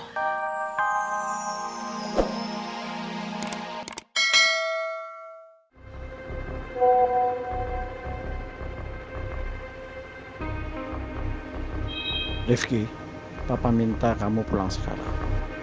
rifki bapak minta kamu pulang sekarang